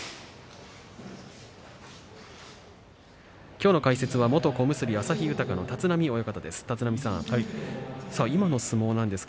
今日の解説は元小結旭豊の立浪親方です。